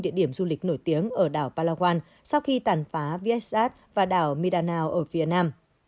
địa điểm du lịch nổi tiếng ở đảo palawan sau khi tàn phá vesad và đảo midanao ở phía nam